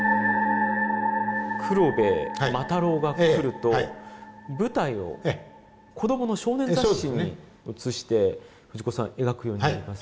「黒ベエ」「魔太郎がくる！！」と舞台を子どもの少年雑誌に移して藤子さん描くようになります。